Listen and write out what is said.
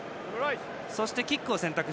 そして、キックを選択。